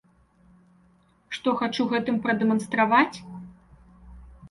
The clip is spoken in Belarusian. Што хачу гэтым прадэманстраваць?